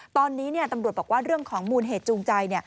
ตอนนี้ตำรวจบอกว่าเรื่องของมูลเหตุจูงใจ